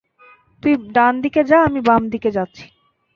তুই ডান দিকে যা আমি বাম দিকে যাচ্ছি।